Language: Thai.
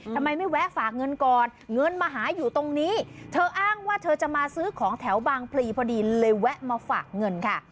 ทำไมไม่แวะฝากเงินก่อนเงินมาหาอยู่ตรงนี้เธออ้างว่าเธอจะมาซื้อของแถวบางพลีพอดีเลยแวะมาฝากเงินค่ะ